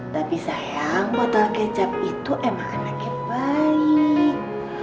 tapi sayang botol kecap itu emang anaknya baik